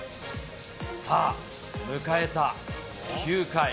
さあ、迎えた９回。